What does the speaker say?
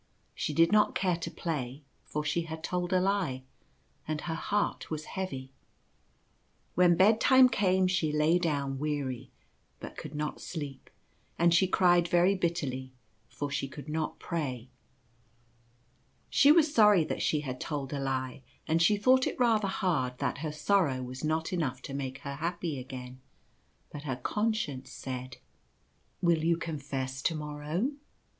She did not care to play, for she had told a lie, and her heart was heavy. When bed time came she Jay down weary, but could not sleep ; and she cried very bitterly, for she could not pray. She was sorry that she had told a lie, and she thought it rather hard that her sorrow was not enough to make her happy again ; but her conscience said — li Will you confess to morrow?